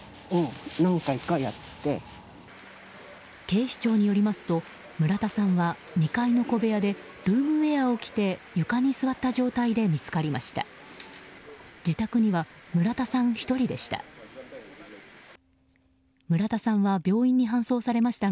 警視庁によりますと村田さんは２階の小部屋でルームウェアを着て床に座った状態で見つかりました。